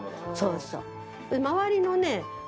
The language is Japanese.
そうそう。